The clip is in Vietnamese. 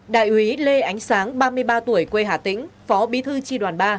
đại úy lê ánh sáng ba mươi ba tuổi quê hà tĩnh phó bí thư tri đoàn ba